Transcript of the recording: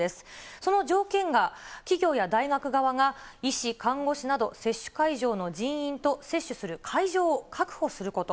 その条件が企業や大学側が、医師、看護師など、接種会場の人員と接種する会場を確保すること。